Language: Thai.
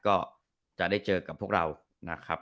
ก็จะได้เจอกับพวกเรานะครับ